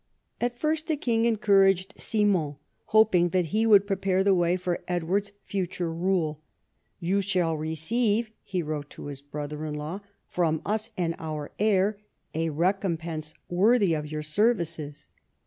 At first the kinir 24 EDWARD I chap. encouraged Simon, hoping that he would prepare the way for Edward's future rule. "You shall receive," he wrote to his brother in law, "from us and our heir a recompense worthy of your services."